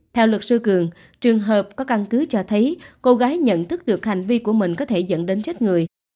theo luật sư cường trường hợp có căn cứ cho thấy cô gái nhận thức được hành vi của mình có thể dẫn đến chết người